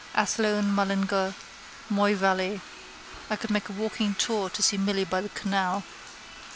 Athlone, Mullingar, Moyvalley, I could make a walking tour to see Milly by the canal.